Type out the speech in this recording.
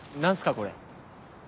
これ。